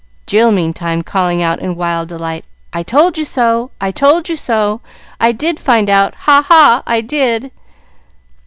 Jill meantime calling out, in wild delight, "I told you so! I told you so! I did find out; ha, ha, I did!"